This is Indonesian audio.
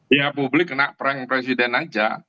ya publik kena prank presiden aja